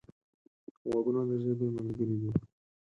غوږونه د ژبې ملګري دي